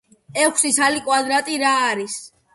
ექვსი ცალი კვადრატი რა არის?